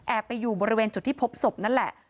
ไปอยู่บริเวณจุดที่พบศพนั่นแหละ